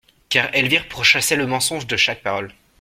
Car Elvire pourchassait le mensonge de chaque parole.